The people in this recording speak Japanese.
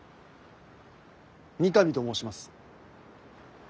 三上と申します。